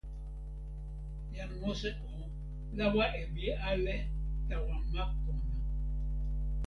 jan Mose o lawa e mi ale tawa ma pona.